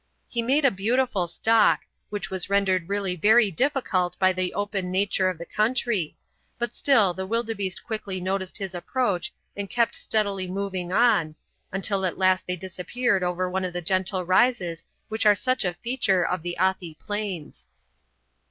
He made a beautiful stalk, which was rendered really very difficult by the open nature of the country, but still the wildebeeste quickly noticed his approach and kept steadily moving on, until at last they disappeared over one of the gentle rises which are such a feature of the Athi Plains.